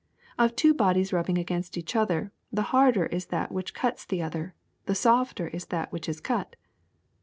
Of tWO bodies rubbing against each other the harder is that which cuts the other, the softer is that which is cut.